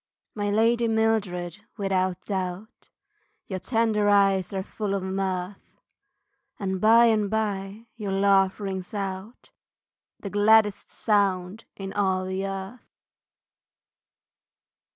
My lady Mildred without doubt, Your tender eyes are full of mirth, And by and by, your laugh rings out, The gladdest sound in all the earth.